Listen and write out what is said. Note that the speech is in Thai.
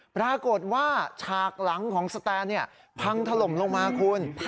ปรากฏว่าฉากหลังของสแตนพังถล่มลงมาคุณ